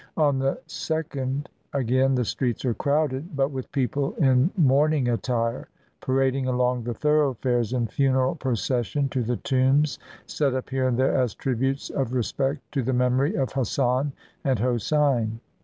On the second, again, the streets are crowded; but with people in mourn ing attire, parading along the thoroughfares in funeral procession to the tombs set up here and there as tributes of respect to the memory of Hassan and Hosein.